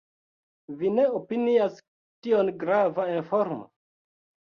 Vi ne opinias tion grava informo?